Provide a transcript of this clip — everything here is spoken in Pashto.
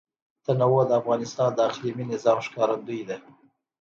تنوع د افغانستان د اقلیمي نظام ښکارندوی ده.